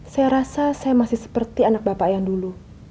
saya rasa saya masih seperti anak bapak yang dulu